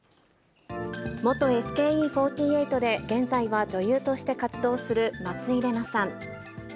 元ＳＫＥ４８で、現在は女優として活動する松井玲奈さん。